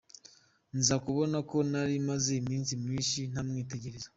Nza kubona ko nari maze iminsi myinshi ntamwitegereza.